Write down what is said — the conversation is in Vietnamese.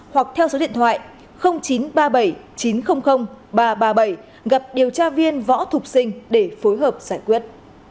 hoặc theo số điện thoại chín trăm ba mươi bảy chín trăm linh ba trăm ba mươi bảy gặp điều tra viên võ thục sinh để phối hợp giải quyết